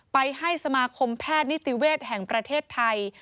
ไปให้สมาคมแพทย์นิติเวศแห่งประเทศไทย